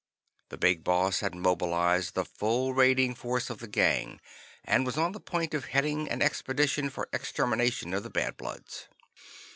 The Big Boss had mobilized the full raiding force of the Gang, and was on the point of heading an expedition for the extermination of the Bad Bloods.